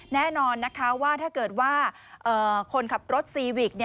แน่นอนนะคะว่าถ้าเกิดว่าคนขับรถซีวิก